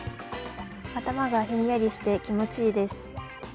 頭がひんやりして気持ちいいです。